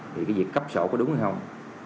thì cái việc cấp xổ có đúng hay không